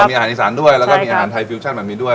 มีอาหารอีสานด้วยแล้วก็มีอาหารไทยฟิวชั่นแบบนี้ด้วย